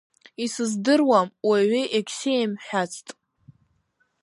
Исыздыруам, уаҩы егьсеимҳәацт.